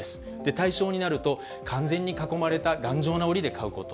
対象になると、完全に囲まれた頑丈なおりで飼うこと。